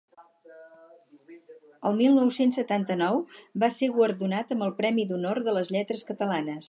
El mil nou-cents setanta-nou va ser guardonat amb el Premi d'Honor de les Lletres Catalanes.